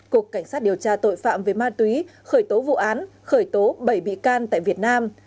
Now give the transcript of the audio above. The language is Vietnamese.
cục cảnh sát điều tra tội phạm về ma túy khởi tố vụ án khởi tố bảy bị can tại việt nam